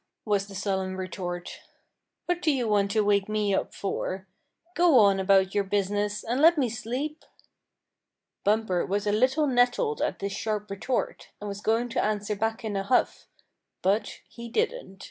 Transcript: was the sullen retort. "What do you want to wake me up for! Go on about your business, and let me sleep!" Bumper was a little nettled at this sharp retort, and was going to answer back in a huff; but he didn't.